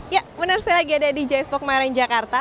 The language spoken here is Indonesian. ya benar saya lagi ada di j i expo kemayoran jakarta